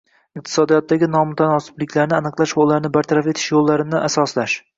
iqtisodiyotdagi nomutanosibliklarni aniqlash va ularni bartaraf etish yo`llarini asoslash